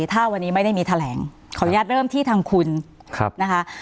ถ้าวันนี้ไม่ได้มีแถลงขออนุญาตเริ่มที่ทางคุณนะคะ